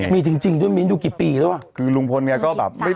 มีจริงด้วยมีนดูกี่ปีแล้วอ่ะ